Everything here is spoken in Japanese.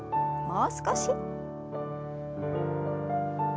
もう少し。